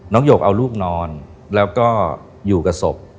หยกเอาลูกนอนแล้วก็อยู่กับศพ